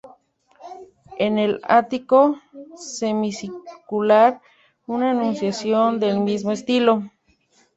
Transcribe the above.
En el ático semicircular, una Anunciación del mismo estilo.